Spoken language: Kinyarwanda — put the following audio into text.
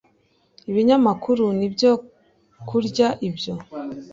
ibinyamukuru n ibyo kurya Ibyo